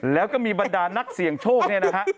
แล้วก็มีบรรดานักเสี่ยงโชคเนี่ยนะฮะ